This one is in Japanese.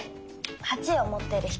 ８を持ってる人？